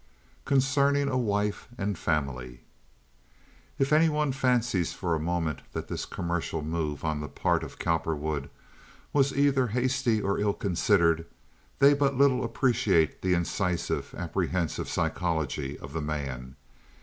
Concerning A Wife And Family If any one fancies for a moment that this commercial move on the part of Cowperwood was either hasty or ill considered they but little appreciate the incisive, apprehensive psychology of the man.